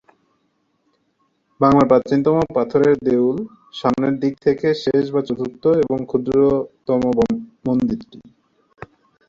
বাংলার প্রাচীনতম পাথরের দেউল সামনের দিক থেকে শেষ বা চতুর্থ এবং ক্ষুদ্রতম মন্দিরটি।